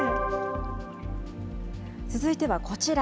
続いてはこちら。